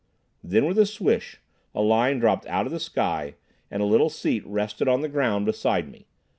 Then with a swish, a line dropped out of the sky, and a little seat rested on the ground beside me.